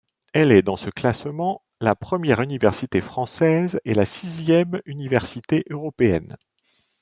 Elle est dans ce classement la première université française et la sixième université européenne.